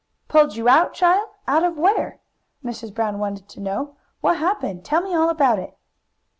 "Pulled you out, child? Out of where?" Mrs. Brown wanted to know. "What happened? Tell me all about it!"